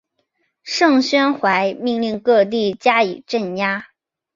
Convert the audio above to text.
盛宣怀命令各地加以镇压。